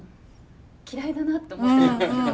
嫌いだなって思ってたんですけど。